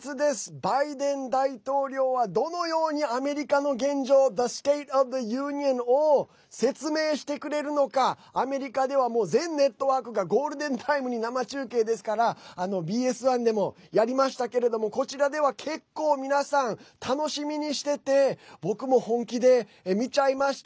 バイデン大統領はどのようにアメリカの現状Ｔｈｅｓｔａｔｅｏｆｔｈｅｕｎｉｏｎを説明してくれるのかアメリカでは全ネットワークがゴールデンタイムに生中継ですからＢＳ１でもやりましたけれどもこちらでは結構皆さん、楽しみにしてて僕も本気で見ちゃいました。